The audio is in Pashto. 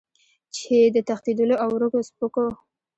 چې د تښتېدلو او ورکو سپکو